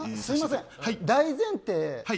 すみません、大前提。